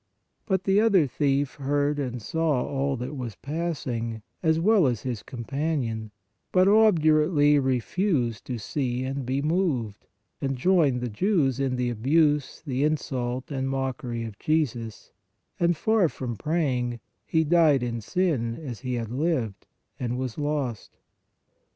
But the other thief heard and saw all that was pass ing, as well as his companion, but obdurately refused to see and be moved, and joined the Jews in the abuse, the insult and mockery of Jesus, and far from praying, he died in sin as he had lived, and was lost.